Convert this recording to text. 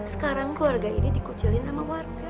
sekarang keluarga ini dikucilin sama warga